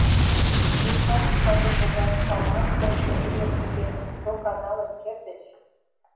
Кресаньык сату погаш авансым, рӱден-рӱден, тока налын кертыч.